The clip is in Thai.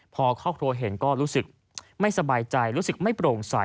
พอครอบครัวเห็นก็รู้สึกไม่สบายใจรู้สึกไม่โปร่งใส